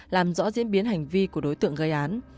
làm rõ diễn biến hành vi của đối tượng gây án